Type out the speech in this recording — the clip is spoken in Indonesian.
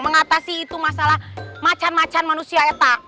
mengatasi itu masalah macan macan manusia eta